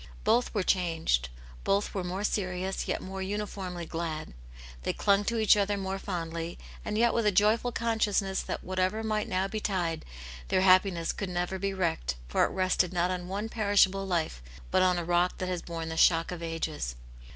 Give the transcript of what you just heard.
Both were changed. Both were more serious, yet more uniformly glad ; they clung to each other more fondly, and yet with a joyful consciousness that whatever might now betide, their happiness could never be wrecked, for it rested not on one perishable life, but on a rock that has borne the shock of ages.